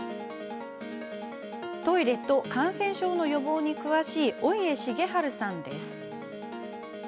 トイレと感染症の予防に詳しい尾家重治さんです。